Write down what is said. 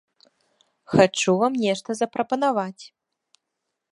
Хачу вам нешта запрапанаваць.